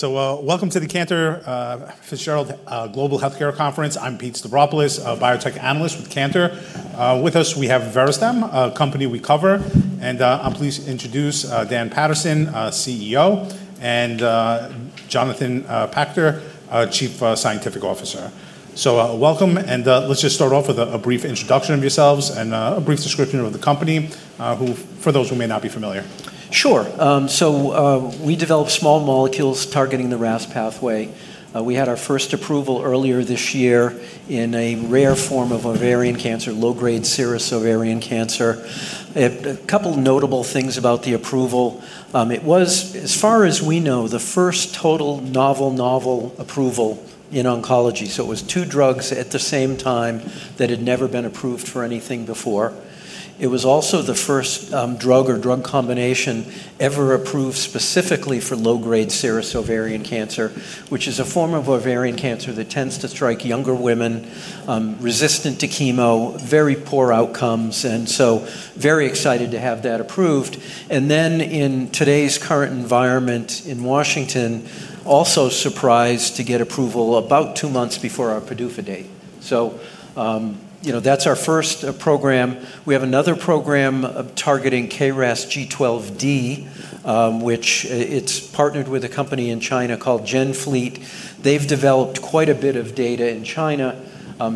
... So, welcome to the Cantor Fitzgerald Global Healthcare Conference. I'm Pete Stavropoulos, a biotech analyst with Cantor. With us, we have Verastem, a company we cover, and I'm pleased to introduce Dan Paterson, our CEO, and Jonathan Pachter, our Chief Scientific Officer. So, welcome, and let's just start off with a brief introduction of yourselves and a brief description of the company for those who may not be familiar. Sure. So, we develop small molecules targeting the RAS pathway. We had our first approval earlier this year in a rare form of ovarian cancer, low-grade serous ovarian cancer. A couple notable things about the approval. It was, as far as we know, the first total novel approval in oncology, so it was two drugs at the same time that had never been approved for anything before. It was also the first drug or drug combination ever approved specifically for low-grade serous ovarian cancer, which is a form of ovarian cancer that tends to strike younger women, resistant to chemo, very poor outcomes, and so very excited to have that approved. And then, in today's current environment in Washington, also surprised to get approval about two months before our PDUFA date. So, you know, that's our first program. We have another program targeting KRAS G12D, which it's partnered with a company in China called GenFleet. They've developed quite a bit of data in China.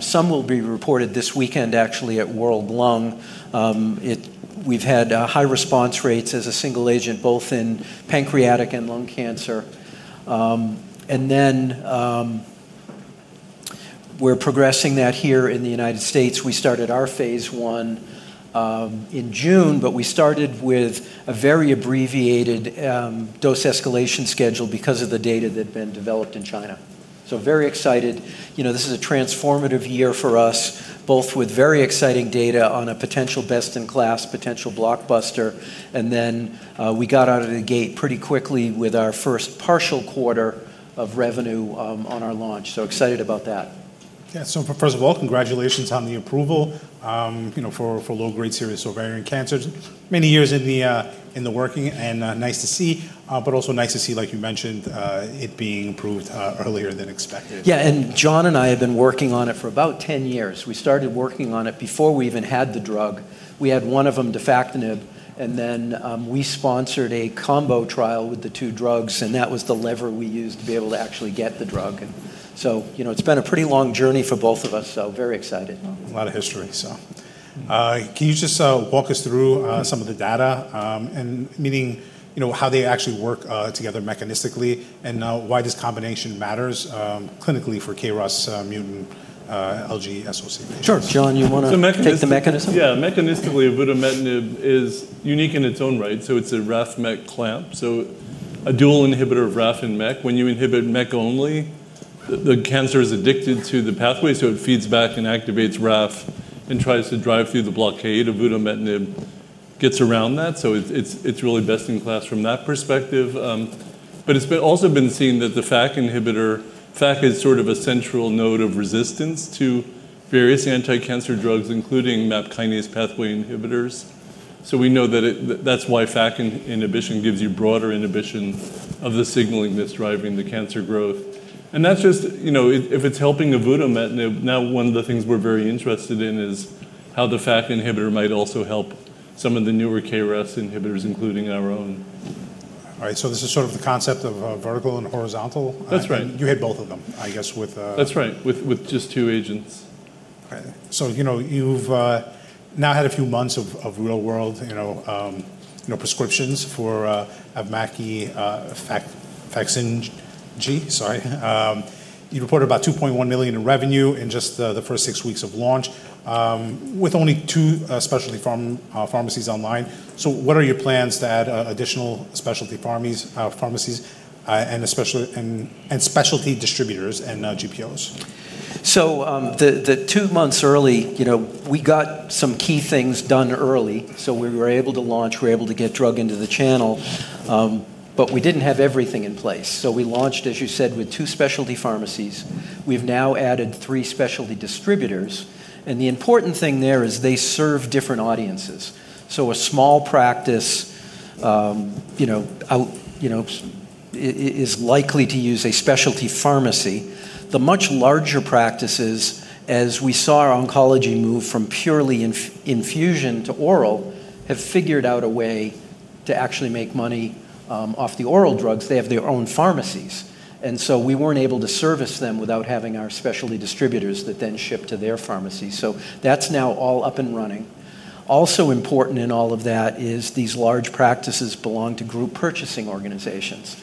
Some will be reported this weekend, actually, at World Lung. We've had high response rates as a single agent, both in pancreatic and lung cancer, and then we're progressing that here in the United States. We started our phase one in June, but we started with a very abbreviated dose escalation schedule because of the data that had been developed in China so very excited. You know, this is a transformative year for us, both with very exciting data on a potential best-in-class, potential blockbuster, and then we got out of the gate pretty quickly with our first partial quarter of revenue on our launch so excited about that. Yeah. So first of all, congratulations on the approval, you know, for low-grade serous ovarian cancers. Many years in the working, and nice to see, but also nice to see, like you mentioned, it being approved earlier than expected. Yeah, and John and I have been working on it for about 10 years. We started working on it before we even had the drug. We had one of them, defactinib, and then we sponsored a combo trial with the two drugs, and that was the lever we used to be able to actually get the drug. And so, you know, it's been a pretty long journey for both of us, so very excited. A lot of history, so... can you just walk us through some of the data and meaning, you know, how they actually work together mechanistically, and why this combination matters clinically for KRAS mutant LGSOC patients? Sure. John, you wanna- So mechanistically- Take the mechanism? Yeah. Mechanistically, avutametnib is unique in its own right, so it's a RAF/MEK clamp, so a dual inhibitor of RAF and MEK. When you inhibit MEK only, the cancer is addicted to the pathway, so it feeds back and activates RAF and tries to drive through the blockade, avutametnib gets around that, so it's really best in class from that perspective. But it's also been seen that the FAK inhibitor, FAK is sort of a central node of resistance to various anticancer drugs, including MAP kinase pathway inhibitors. So we know that that's why FAK inhibition gives you broader inhibition of the signaling that's driving the cancer growth. That's just, you know, if it's helping avutametnib, now one of the things we're very interested in is how the FAK inhibitor might also help some of the newer KRAS inhibitors, including our own. All right, so this is sort of the concept of vertical and horizontal? That's right. You hit both of them, I guess, with. That's right, with just two agents. Right. So, you know, you've now had a few months of real-world, you know, prescriptions for avutametnib, defactinib, gem, sorry. You reported about $2.1 million in revenue in just the first six weeks of launch, with only two specialty pharmacies online. So what are your plans to add additional specialty pharmacies, and especially and specialty distributors and GPOs? So, the two months early, you know, we got some key things done early, so we were able to launch. We were able to get drug into the channel, but we didn't have everything in place. So we launched, as you said, with two specialty pharmacies. We've now added three specialty distributors, and the important thing there is they serve different audiences. So a small practice, you know, is likely to use a specialty pharmacy. The much larger practices, as we saw oncology move from purely infusion to oral, have figured out a way to actually make money off the oral drugs. They have their own pharmacies, and so we weren't able to service them without having our specialty distributors that then ship to their pharmacy. So that's now all up and running. Also important in all of that is these large practices belong to group purchasing organizations.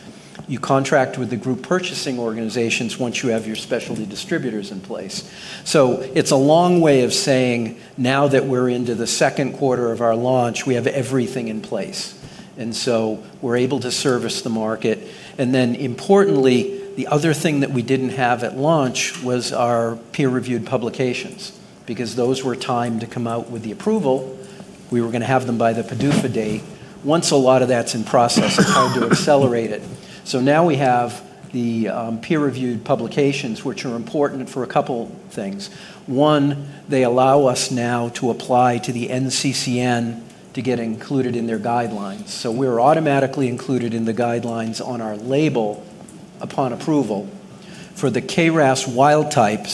You contract with the group purchasing organizations once you have your specialty distributors in place. So it's a long way of saying, now that we're into the second quarter of our launch, we have everything in place, and so we're able to service the market. And then, importantly, the other thing that we didn't have at launch was our peer-reviewed publications, because those were timed to come out with the approval. We were going to have them by the PDUFA date. Once a lot of that's in process, it's hard to accelerate it. So now we have the peer-reviewed publications, which are important for a couple things. One, they allow us now to apply to the NCCN to get included in their guidelines. We're automatically included in the guidelines on our label upon approval for the KRAS wild type.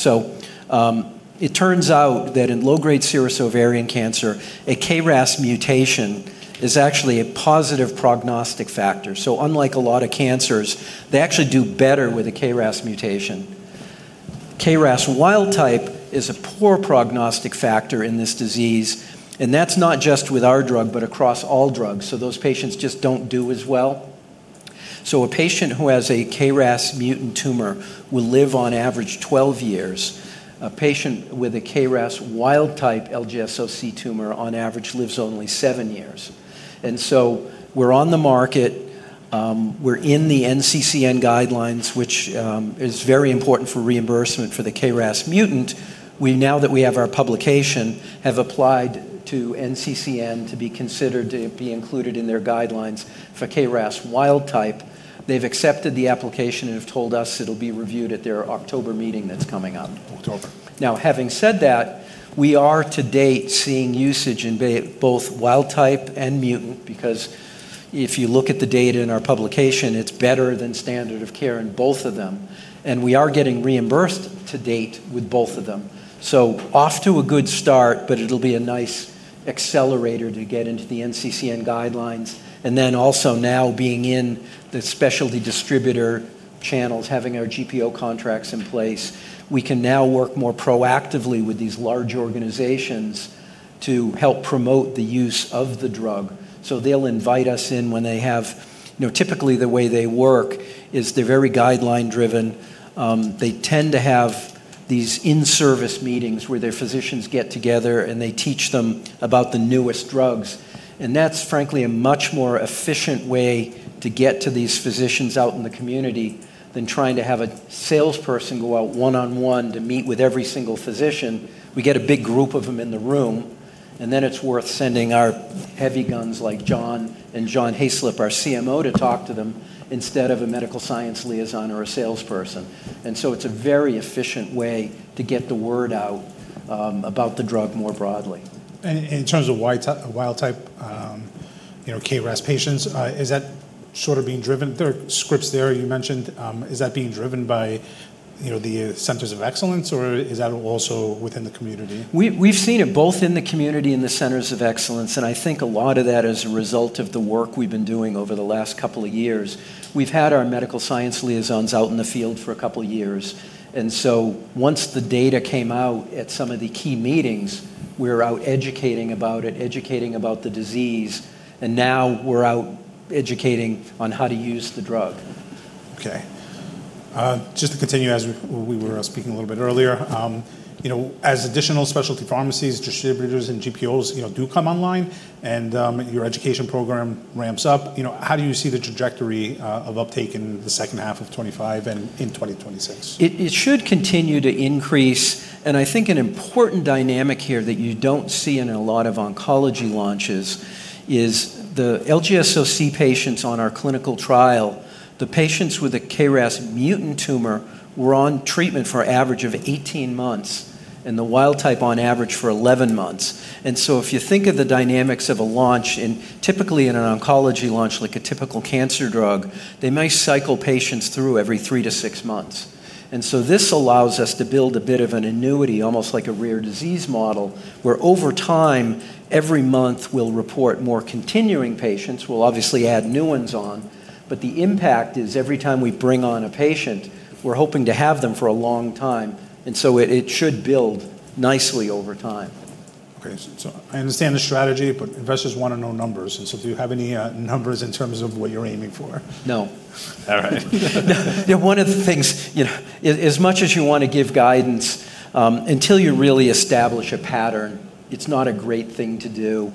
It turns out that in low-grade serous ovarian cancer, a KRAS mutation is actually a positive prognostic factor. Unlike a lot of cancers, they actually do better with a KRAS mutation. KRAS wild type is a poor prognostic factor in this disease, and that's not just with our drug, but across all drugs, so those patients just don't do as well. A patient who has a KRAS mutant tumor will live on average 12 years. A patient with a KRAS wild type LGSOC tumor on average lives only seven years, and so we're on the market. We're in the NCCN guidelines, which is very important for reimbursement for the KRAS mutant. Well, now that we have our publication, we have applied to NCCN to be considered to be included in their guidelines for KRAS wild type. They've accepted the application, and have told us it'll be reviewed at their October meeting that's coming up. October. Now, having said that, we are to date seeing usage in both wild type and mutant, because if you look at the data in our publication, it's better than standard of care in both of them, and we are getting reimbursed to date with both of them, so off to a good start, but it'll be a nice accelerator to get into the NCCN guidelines, and then also now being in the specialty distributor channels, having our GPO contracts in place. We can now work more proactively with these large organizations to help promote the use of the drug, so they'll invite us in when they have... You know, typically, the way they work is they're very guideline driven. They tend to have these in-service meetings, where their physicians get together, and they teach them about the newest drugs. That's frankly a much more efficient way to get to these physicians out in the community than trying to have a salesperson go out one-on-one to meet with every single physician. We get a big group of them in the room, and then it's worth sending our heavy guns like John and John Hayslip, our CMO, to talk to them instead of a medical science liaison or a salesperson. It's a very efficient way to get the word out about the drug more broadly. In terms of wild type, you know, KRAS patients, is that sort of being driven? There are scripts there, you mentioned. Is that being driven by, you know, the centers of excellence, or is that also within the community? We've seen it both in the community and the centers of excellence, and I think a lot of that is a result of the work we've been doing over the last couple of years. We've had our medical science liaisons out in the field for a couple of years, and so once the data came out at some of the key meetings, we were out educating about it, educating about the disease, and now we're out educating on how to use the drug. Okay. Just to continue, as we were speaking a little bit earlier, you know, as additional specialty pharmacies, distributors, and GPOs, you know, do come online and, your education program ramps up, you know, how do you see the trajectory, of uptake in the second half of 2025 and in 2026? It should continue to increase, and I think an important dynamic here that you don't see in a lot of oncology launches is the LGSOC patients on our clinical trial, the patients with a KRAS mutant tumor were on treatment for an average of 18 months, and the wild type on average for 11 months. And so if you think of the dynamics of a launch, and typically in an oncology launch, like a typical cancer drug, they may cycle patients through every three to six months. And so this allows us to build a bit of an annuity, almost like a rare disease model, where over time, every month we'll report more continuing patients. We'll obviously add new ones on, but the impact is, every time we bring on a patient, we're hoping to have them for a long time, and so it should build nicely over time. Okay, so I understand the strategy, but investors want to know numbers, and so do you have any numbers in terms of what you're aiming for? No. All right. You know, one of the things, you know, as much as you want to give guidance until you really establish a pattern, it's not a great thing to do.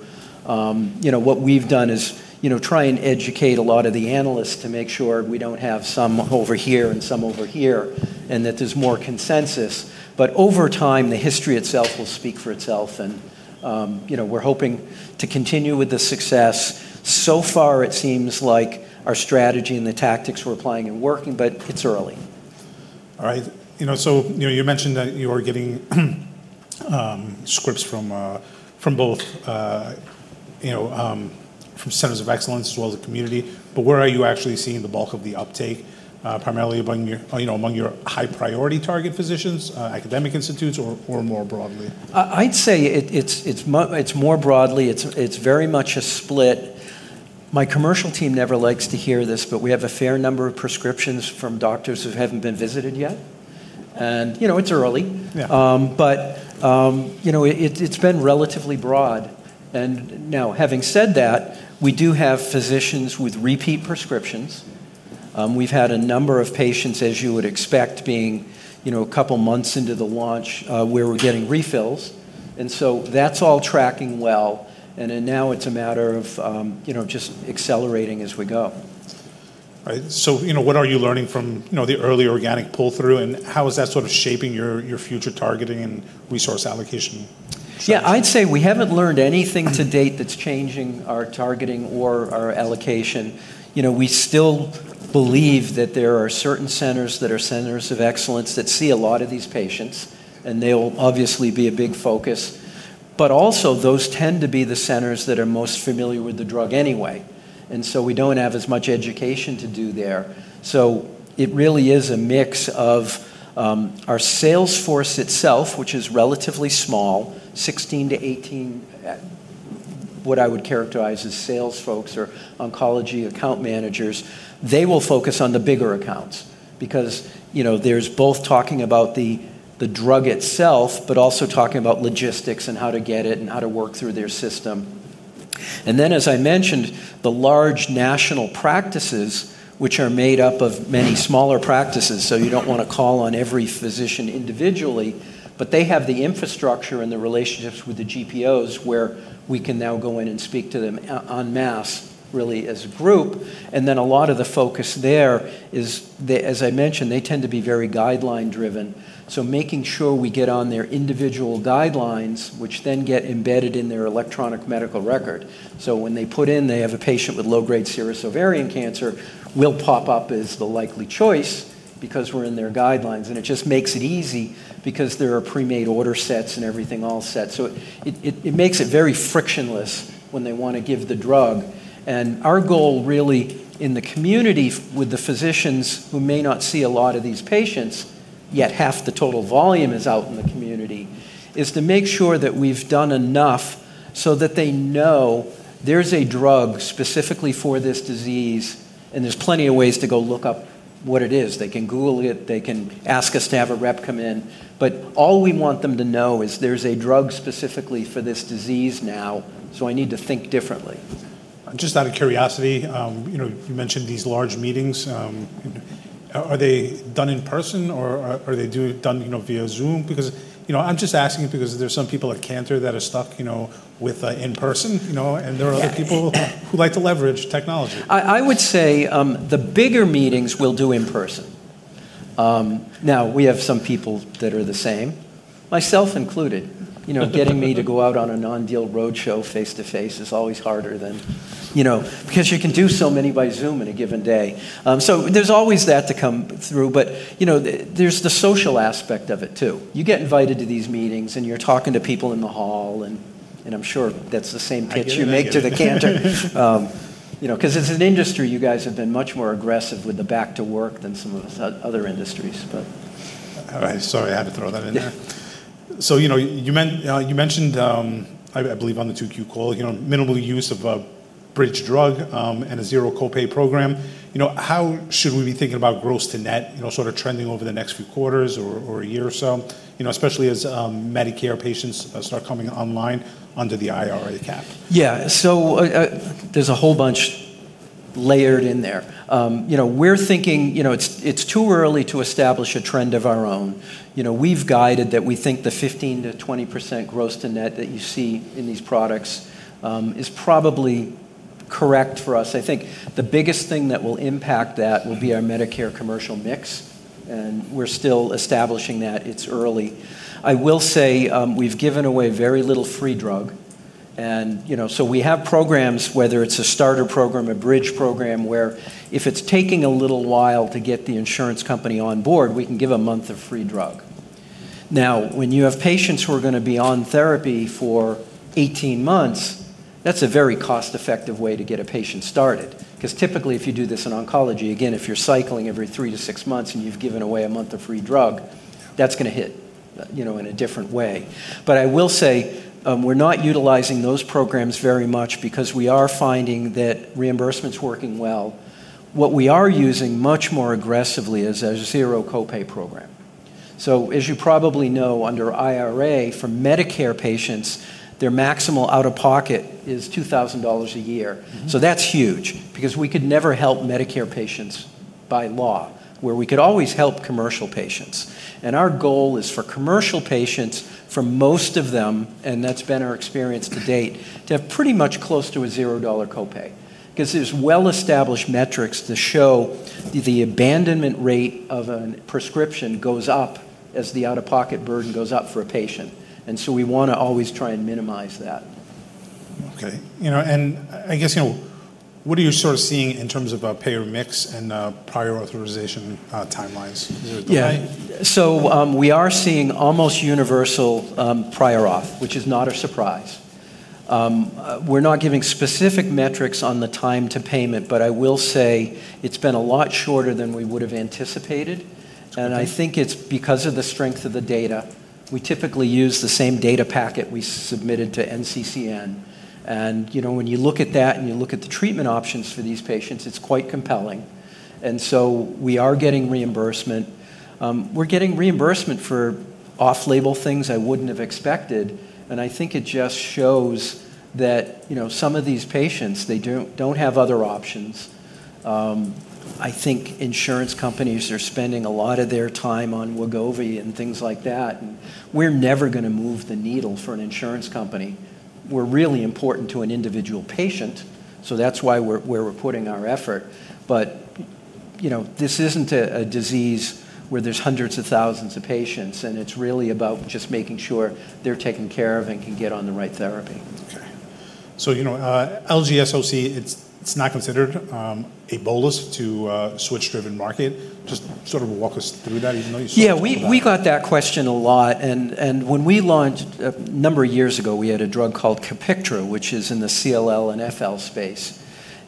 You know, what we've done is, you know, try and educate a lot of the analysts to make sure we don't have some over here and some over here, and that there's more consensus. But over time, the history itself will speak for itself, and you know, we're hoping to continue with the success. So far, it seems like our strategy and the tactics we're applying are working, but it's early. All right. You know, so, you know, you mentioned that you are getting scripts from both, you know, from centers of excellence as well as the community, but where are you actually seeing the bulk of the uptake? Primarily among your, you know, among your high-priority target physicians, academic institutes, or more broadly? I'd say it's more broadly. It's very much a split. My commercial team never likes to hear this, but we have a fair number of prescriptions from doctors who haven't been visited yet. And, you know, it's early. Yeah. But you know, it's been relatively broad, and now, having said that, we do have physicians with repeat prescriptions. We've had a number of patients, as you would expect, being you know, a couple months into the launch, where we're getting refills, and so that's all tracking well, and then now it's a matter of you know, just accelerating as we go. Right. So, you know, what are you learning from, you know, the early organic pull-through, and how is that sort of shaping your, your future targeting and resource allocation? Yeah, I'd say we haven't learned anything to date that's changing our targeting or our allocation. You know, we still believe that there are certain centers that are Centers of Excellence that see a lot of these patients, and they'll obviously be a big focus. But also, those tend to be the centers that are most familiar with the drug anyway, and so we don't have as much education to do there. So it really is a mix of our sales force itself, which is relatively small, 16 to 18 what I would characterize as sales folks or oncology account managers. They will focus on the bigger accounts because, you know, there's both talking about the drug itself, but also talking about logistics, and how to get it, and how to work through their system. And then, as I mentioned, the large national practices, which are made up of many smaller practices, so you don't want to call on every physician individually, but they have the infrastructure and the relationships with the GPOs, where we can now go in and speak to them en masse, really, as a group. And then, a lot of the focus there is the... as I mentioned, they tend to be very guideline-driven, so making sure we get on their individual guidelines, which then get embedded in their electronic medical record. So when they put in that they have a patient with low-grade serous ovarian cancer, we'll pop up as the likely choice because we're in their guidelines, and it just makes it easy because there are pre-made order sets and everything all set. So it makes it very frictionless when they want to give the drug. Our goal really in the community with the physicians who may not see a lot of these patients, yet half the total volume is out in the community, is to make sure that we've done enough so that they know there's a drug specifically for this disease, and there's plenty of ways to go look up what it is. They can Google it. They can ask us to have a rep come in. But all we want them to know is there's a drug specifically for this disease now, so I need to think differently. Just out of curiosity, you know, you mentioned these large meetings. Are they done in person, or are they done, you know, via Zoom? Because, you know, I'm just asking because there are some people at Cantor that are stuck, you know, with in person, you know- Yeah. And there are other people who like to leverage technology. I would say the bigger meetings we'll do in person. Now, we have some people that are the same, myself included. You know, getting me to go out on a non-deal roadshow face-to-face is always harder than, you know, because you can do so many by Zoom in a given day. So there's always that to come through. But you know, there's the social aspect of it, too. You get invited to these meetings, and you're talking to people in the hall, and I'm sure that's the same pitch- I get it.... you make to the Cantor. You know, 'cause as an industry, you guys have been much more aggressive with the back to work than some of the other industries, but... All right, sorry, I had to throw that in there. Yeah. So, you know, you mentioned, I believe on the Q2 call, you know, minimal use of a bridge drug, and a zero copay program. You know, how should we be thinking about gross to net, you know, sort of trending over the next few quarters or a year or so? You know, especially as Medicare patients start coming online under the IRA cap. Yeah. So there's a whole bunch layered in there. You know, we're thinking, you know, it's, it's too early to establish a trend of our own. You know, we've guided that we think the 15% to 20% gross to net that you see in these products is probably correct for us. I think the biggest thing that will impact that will be our Medicare commercial mix, and we're still establishing that. It's early. I will say, we've given away very little free drug and, you know, so we have programs, whether it's a starter program, a bridge program, where if it's taking a little while to get the insurance company on board, we can give a month of free drug. Now, when you have patients who are going to be on therapy for eighteen months, that's a very cost-effective way to get a patient started. Because typically, if you do this in oncology, again, if you're cycling every three to six months and you've given away a month of free drug- Yeah... that's gonna hit, you know, in a different way. But I will say, we're not utilizing those programs very much because we are finding that reimbursement's working well. What we are using much more aggressively is a zero copay program. So as you probably know, under IRA, for Medicare patients, their maximal out-of-pocket is $2,000 a year. Mm-hmm. That's huge because we could never help Medicare patients, by law, while we could always help commercial patients, and our goal is for commercial patients, for most of them, and that's been our experience to date, to have pretty much close to a $0 copay. 'Cause there's well-established metrics that show the abandonment rate of a prescription goes up as the out-of-pocket burden goes up for a patient, and so we want to always try and minimize that. Okay. You know, and I guess, you know, what are you sort of seeing in terms of, payer mix and, prior authorization, timelines? Is there- Yeah, so we are seeing almost universal prior auth, which is not a surprise. We're not giving specific metrics on the time to payment, but I will say it's been a lot shorter than we would have anticipated. Okay. And I think it's because of the strength of the data. We typically use the same data packet we submitted to NCCN, and, you know, when you look at that, and you look at the treatment options for these patients, it's quite compelling. And so we are getting reimbursement. We're getting reimbursement for off-label things I wouldn't have expected, and I think it just shows that, you know, some of these patients, they don't have other options. I think insurance companies are spending a lot of their time on Wegovy and things like that, and we're never gonna move the needle for an insurance company. We're really important to an individual patient, so that's why we're, where we're putting our effort. But, you know, this isn't a disease where there's hundreds of thousands of patients, and it's really about just making sure they're taken care of and can get on the right therapy.... So, you know, LGSOC, it's not considered a bolus to a switch-driven market. Just sort of walk us through that, even though you said- Yeah, we got that question a lot, and when we launched a number of years ago, we had a drug called Copiktra, which is in the CLL and FL space.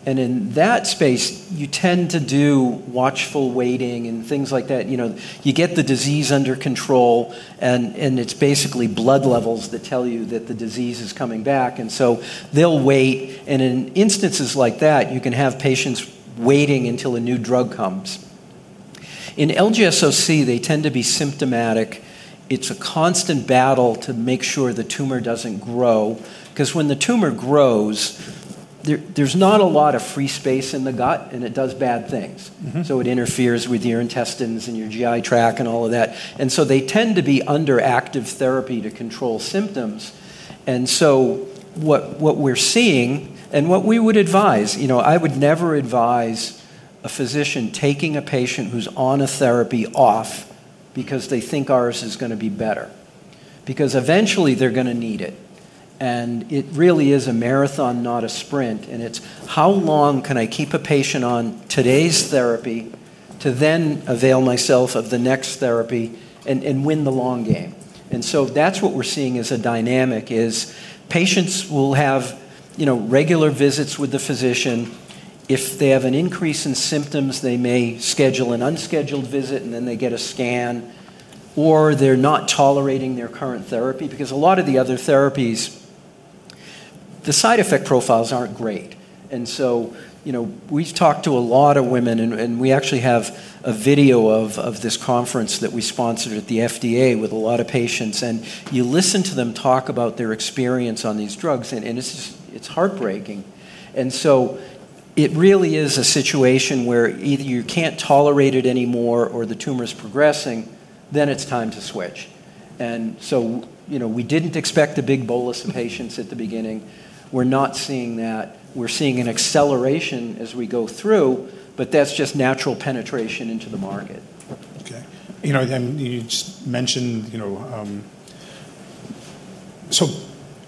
In that space, you tend to do watchful waiting and things like that. You know, you get the disease under control, and it's basically blood levels that tell you that the disease is coming back, and so they'll wait. In instances like that, you can have patients waiting until a new drug comes. In LGSOC, they tend to be symptomatic. It's a constant battle to make sure the tumor doesn't grow. 'Cause when the tumor grows, there's not a lot of free space in the gut, and it does bad things. Mm-hmm. So it interferes with your intestines and your GI tract, and all of that. And so they tend to be under active therapy to control symptoms. And so what we're seeing, and what we would advise... You know, I would never advise a physician taking a patient who's on a therapy off because they think ours is going to be better, because eventually they're going to need it. And it really is a marathon, not a sprint, and it's how long can I keep a patient on today's therapy to then avail myself of the next therapy and win the long game? And so that's what we're seeing as a dynamic, is patients will have, you know, regular visits with the physician. If they have an increase in symptoms, they may schedule an unscheduled visit, and then they get a scan, or they're not tolerating their current therapy. Because a lot of the other therapies, the side effect profiles aren't great. And so, you know, we've talked to a lot of women, and we actually have a video of this conference that we sponsored at the FDA with a lot of patients, and you listen to them talk about their experience on these drugs, and it's just, it's heartbreaking. And so it really is a situation where either you can't tolerate it anymore or the tumor is progressing, then it's time to switch. And so, you know, we didn't expect a big bolus of patients at the beginning. We're not seeing that. We're seeing an acceleration as we go through, but that's just natural penetration into the market. Okay. You know, then you just mentioned, you know. So,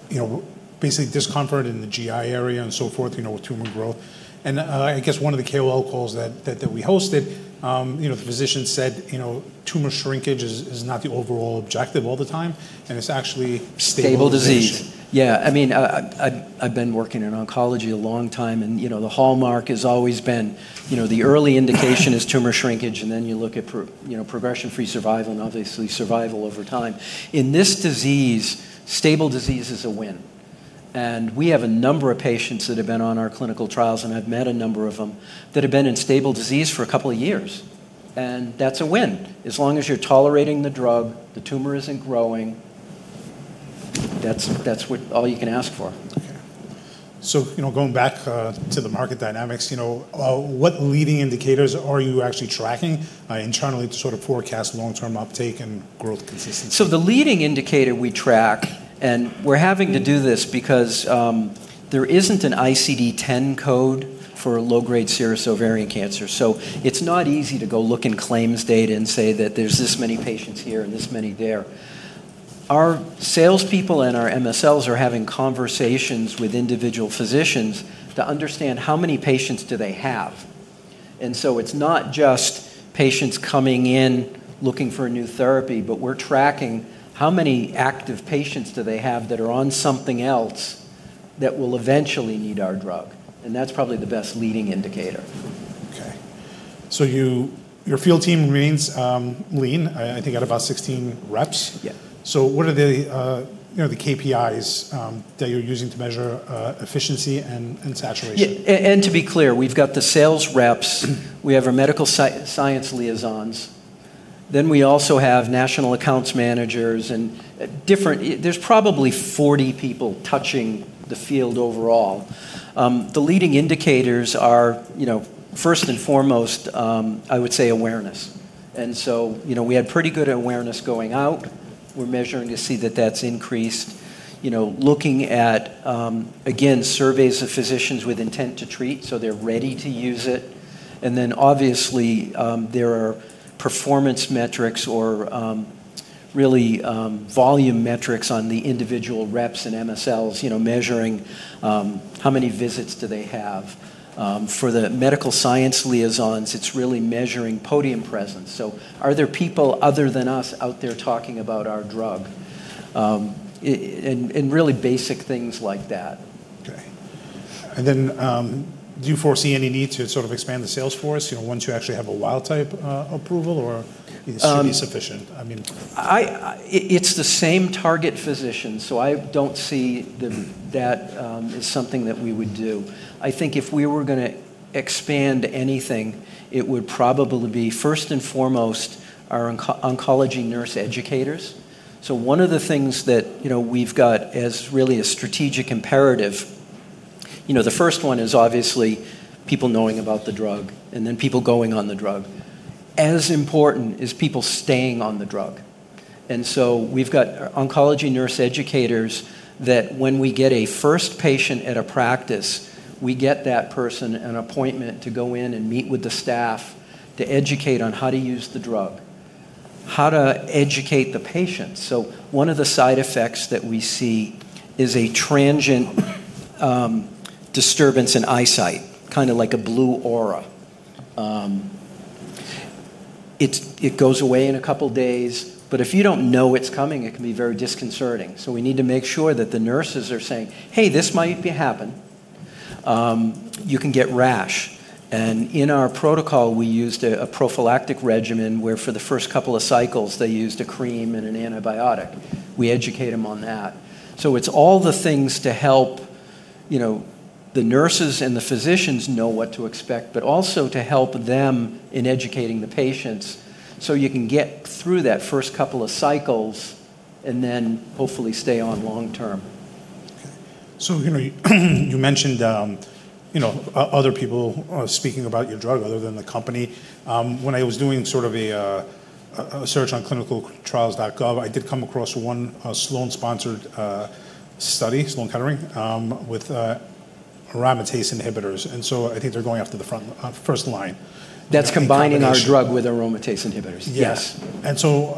you know, basically discomfort in the GI area, and so forth, you know, with tumor growth. And, I guess one of the KOL calls that we hosted, you know, the physician said, you know, tumor shrinkage is not the overall objective all the time, and it's actually stabilization. Stable disease. Yeah, I mean, I've been working in oncology a long time, and, you know, the hallmark has always been, you know, the early indication is tumor shrinkage, and then you look at progression-free survival, and obviously survival over time. In this disease, stable disease is a win, and we have a number of patients that have been on our clinical trials, and I've met a number of them, that have been in stable disease for a couple of years. And that's a win. As long as you're tolerating the drug, the tumor isn't growing, that's what all you can ask for. Okay, so you know, going back to the market dynamics, you know, what leading indicators are you actually tracking internally to sort of forecast long-term uptake and growth consistency? So the leading indicator we track, and we're having to do this because there isn't an ICD-10 code for low-grade serous ovarian cancer. So it's not easy to go look in claims data and say that there's this many patients here and this many there. Our salespeople and our MSLs are having conversations with individual physicians to understand how many patients do they have. And so it's not just patients coming in looking for a new therapy, but we're tracking how many active patients do they have that are on something else that will eventually need our drug, and that's probably the best leading indicator. Okay. So you, your field team remains, I think at about 16 reps. Yeah. So what are the, you know, the KPIs that you're using to measure efficiency and saturation? Yeah, and to be clear, we've got the sales reps. Mm. We have our medical science liaisons, then we also have national accounts managers, and different. There's probably forty people touching the field overall. The leading indicators are, you know, first and foremost, I would say awareness. So, you know, we had pretty good awareness going out. We're measuring to see that that's increased. You know, looking at, again, surveys of physicians with intent to treat, so they're ready to use it. Then obviously, there are performance metrics or, really, volume metrics on the individual reps and MSLs, you know, measuring, how many visits do they have? For the medical science liaisons, it's really measuring podium presence. So are there people other than us out there talking about our drug? And really basic things like that. Okay. And then, do you foresee any need to sort of expand the sales force, you know, once you actually have a wild type approval, or- Um... is this sufficient? I mean- It's the same target physician, so I don't see that as something that we would do. I think if we were going to expand anything, it would probably be, first and foremost, our oncology nurse educators. So one of the things that, you know, we've got as really a strategic imperative, you know, the first one is obviously people knowing about the drug, and then people going on the drug. As important is people staying on the drug. And so we've got oncology nurse educators that, when we get a first patient at a practice, we get that person an appointment to go in and meet with the staff to educate on how to use the drug, how to educate the patients. So one of the side effects that we see is a transient disturbance in eyesight, kind of like a blue aura. It goes away in a couple days, but if you don't know it's coming, it can be very disconcerting, so we need to make sure that the nurses are saying, "Hey, this might be happen. You can get rash," and in our protocol, we used a prophylactic regimen, where for the first couple of cycles, they used a cream and an antibiotic. We educate them on that, so it's all the things to help, you know, the nurses and the physicians know what to expect, but also to help them in educating the patients, so you can get through that first couple of cycles, and then hopefully stay on long term. Okay. So, you know, you mentioned you know other people speaking about your drug other than the company. When I was doing sort of a search on ClinicalTrials.gov, I did come across one Sloan-sponsored study, Sloan Kettering, with aromatase inhibitors, and so I think they're going after the front first line. That's combining- In combination... our drug with aromatase inhibitors. Yes. Yes. And so,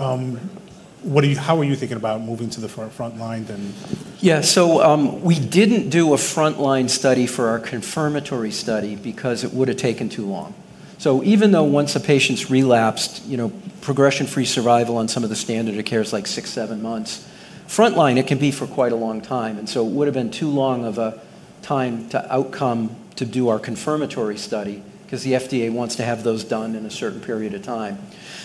how are you thinking about moving to the front line, then? Yeah, so, we didn't do a front-line study for our confirmatory study because it would've taken too long. So even though once a patient's relapsed, you know, progression-free survival on some of the standard of care is, like, six, seven months. Front line, it can be for quite a long time, and so it would've been too long of a time to outcome to do our confirmatory study, 'cause the FDA wants to have those done in a certain period of time.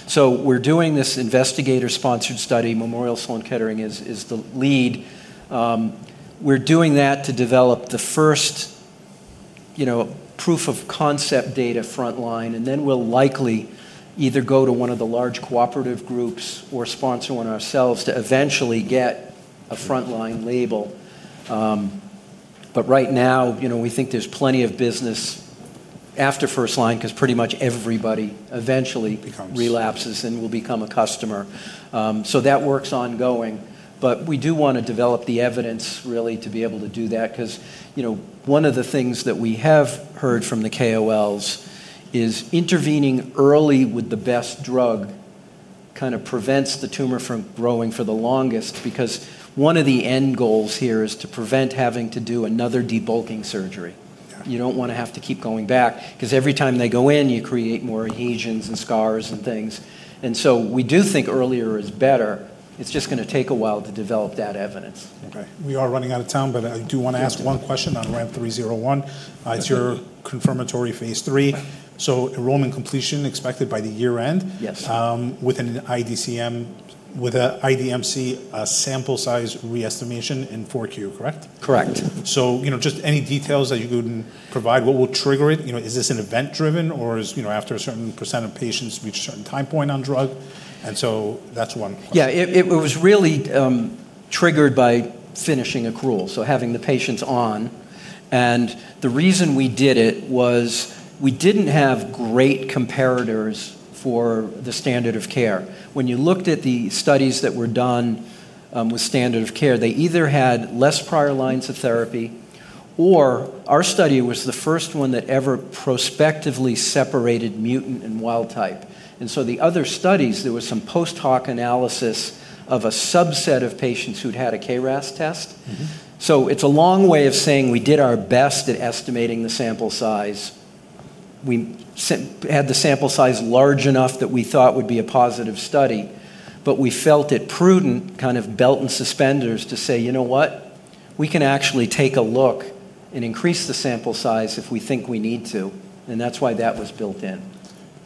So we're doing this investigator-sponsored study. Memorial Sloan Kettering is the lead. We're doing that to develop the first, you know, proof of concept data front line, and then we'll likely either go to one of the large cooperative groups or sponsor one ourselves to eventually get a front-line label. But right now, you know, we think there's plenty of business after first line, 'cause pretty much everybody eventually- Becomes... relapses and will become a customer, so that work's ongoing, but we do want to develop the evidence really to be able to do that. 'Cause, you know, one of the things that we have heard from the KOLs is intervening early with the best drug kind of prevents the tumor from growing for the longest. Because one of the end goals here is to prevent having to do another debulking surgery. Yeah. You don't want to have to keep going back, 'cause every time they go in, you create more adhesions and scars and things, and so we do think earlier is better. It's just going to take a while to develop that evidence. Okay, we are running out of time, but I do want to ask one question on RAMP 301. Sure. It's your confirmatory Phase 3. Right. Enrollment completion expected by the year-end. Yes... with an IDMC, a sample size re-estimation in Q4, correct? Correct. So, you know, just any details that you can provide, What will trigger it? You know, is this event driven, or is, you know, after a certain percent of patients reach a certain time point on drug? And so that's one question. Yeah, it, it was really triggered by finishing accrual, so having the patients on. And the reason we did it was we didn't have great comparators for the standard of care. When you looked at the studies that were done with standard of care, they either had less prior lines of therapy, or our study was the first one that ever prospectively separated mutant and wild type. And so the other studies, there was some post hoc analysis of a subset of patients who'd had a KRAS test. Mm-hmm. It's a long way of saying we did our best at estimating the sample size. We had the sample size large enough that we thought would be a positive study, but we felt it prudent, kind of belt and suspenders, to say, "You know what? We can actually take a look and increase the sample size if we think we need to," and that's why that was built in.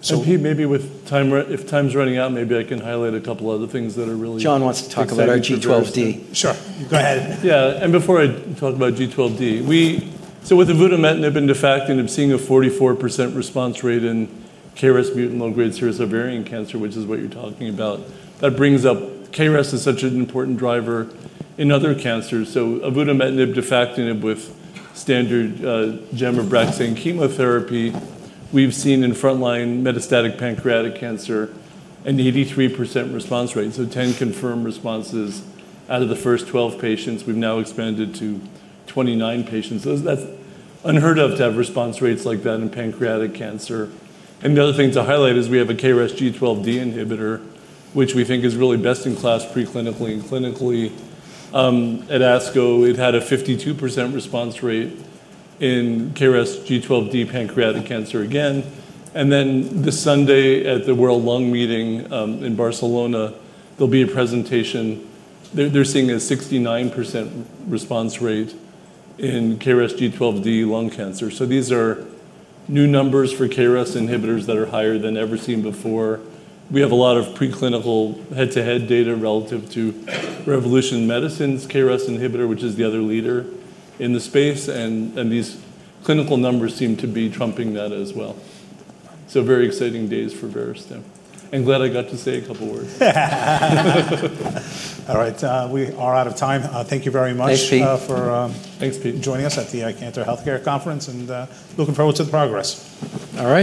Pete, maybe if time's running out, maybe I can highlight a couple other things that are really... John wants to talk about our G12D. Exciting as well. Sure. Go ahead. Yeah, and before I talk about G12D. With avutametnib and defactinib, seeing a 44% response rate in KRAS mutant low-grade serous ovarian cancer, which is what you're talking about, that brings up KRAS is such an important driver in other cancers. avutametnib, defactinib with standard gem or Abraxane chemotherapy, we've seen in front-line metastatic pancreatic cancer an 83% response rate. Ten confirmed responses out of the first 12 patients. We've now expanded to 29 patients. That's unheard of to have response rates like that in pancreatic cancer. The other thing to highlight is we have a KRAS G12D inhibitor, which we think is really best in class preclinically and clinically. At ASCO, it had a 52% response rate in KRAS G12D pancreatic cancer again. And then this Sunday, at the World Lung Meeting in Barcelona, there'll be a presentation. They're seeing a 69% response rate in KRAS G12D lung cancer. So these are new numbers for KRAS inhibitors that are higher than ever seen before. We have a lot of preclinical head-to-head data relative to Revolution Medicines' KRAS inhibitor, which is the other leader in the space, and these clinical numbers seem to be trumping that as well. So very exciting days for Verastem. I'm glad I got to say a couple words. All right, we are out of time. Thank you very much- Thanks, Pete... for- Thanks, Pete... joining us at the Cantor Healthcare Conference, and looking forward to the progress. All right.